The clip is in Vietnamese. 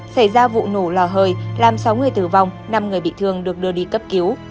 xảy ra vụ nổ lò hơi làm sáu người tử vong năm người bị thương được đưa đi cấp cứu